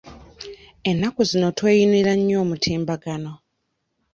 Ennaku zino tweyunira nnyo omutimbagano.